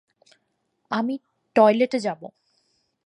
আমি টয়লেটে যাবো।